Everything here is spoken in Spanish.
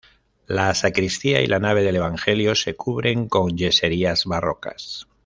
La sacristía y la nave del evangelio se cubren con yeserías barrocas.